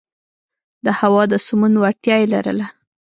د هوا د سمون وړتیا یې لرله.